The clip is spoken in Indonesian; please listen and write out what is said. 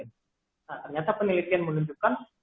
nah ternyata penelitian menunjukkan